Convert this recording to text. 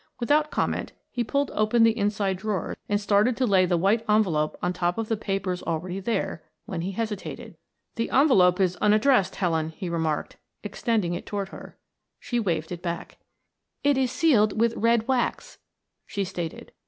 Without comment he pulled open the inside drawer and started to lay the white envelope on top of the papers already there, when he hesitated. "The envelope is unaddressed, Helen," he remarked, extending it toward her. She waved it back. "It is sealed with red wax," she stated.